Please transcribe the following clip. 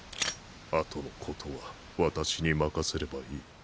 あとのことは私に任せればいい。